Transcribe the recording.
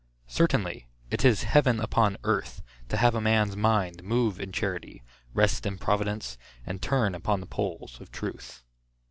Certainly, it is heaven upon earth, to have a man's mind move in charity, rest in providence, and turn upon the poles of truth.